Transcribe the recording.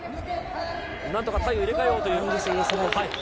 なんとか体位を入れ替えようという。